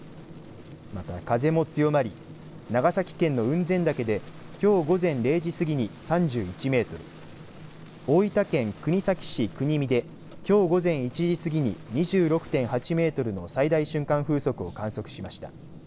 また、風も強まり長崎県の雲仙岳できょう午前０時過ぎに３１メートル大分県国東市国見できょう午前１時過ぎに２６．８メートルの最大瞬間風速を観測しました。